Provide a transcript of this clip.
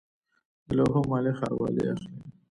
د لوحو مالیه ښاروالۍ اخلي